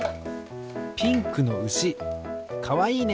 ピンクのうしかわいいね！